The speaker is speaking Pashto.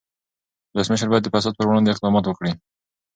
ولسمشر باید د فساد پر وړاندې اقدامات وکړي.